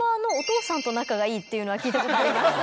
っていうのは聞いたことあります。